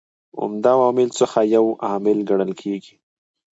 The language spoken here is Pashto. عمده عواملو څخه یو عامل کڼل کیږي.